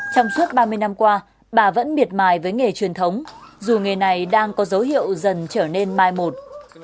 trong suốt ba mươi năm qua bà vẫn miệt mài với nghề truyền thống dù nghề này đang có dấu hiệu dần trở nên mai một